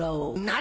何⁉